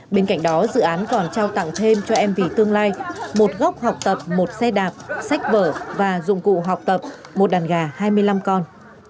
bên cạnh đó dự án còn trao tặng thêm cho mv tương lai một góc học tập một xe đạp sách vở và dụng cụ học tập một đàn gà hai mươi năm con